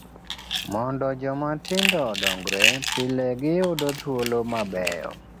Mondo joma tindo odongre, pile giyudo thuolo mabeyo.